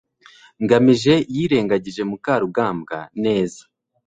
ngamije yirengagije mukarugambwa neza